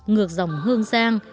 ngược dòng hương giang